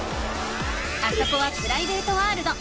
あそこはプライベートワールド。